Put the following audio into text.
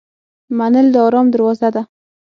منل د آرام دروازه ده.